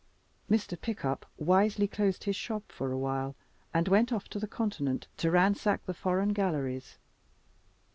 Mr. Pickup wisely closed his shop for a while, and went off to the Continent to ransack the foreign galleries.